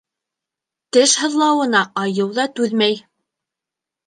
Теш һыҙлауына айыу ҙа түҙмәй.